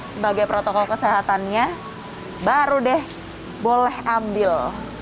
sebagai protokol kesehatannya baru deh boleh ambil